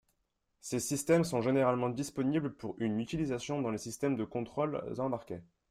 Ces systèmes sont généralement disponibles pour une utilisation dans les systèmes de contrôle embarqués.